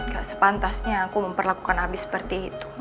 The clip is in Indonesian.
gak sepantasnya aku memperlakukan habis seperti itu